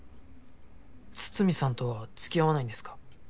筒見さんとは付き合わないんですか？